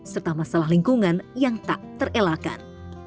serta masalah lingkungan yang tak terelakkan